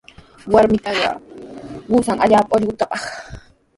Warmitaqa qusan allaapa ullqutupaq.